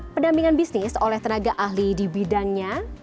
pendampingan bisnis oleh tenaga ahli di bidangnya